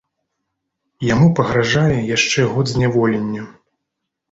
Яму пагражае яшчэ год зняволення.